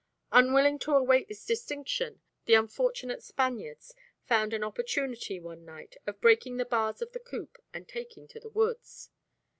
Unwilling to await this distinction, the unfortunate Spaniards found an opportunity one night of breaking the bars of the coop and taking to the woods.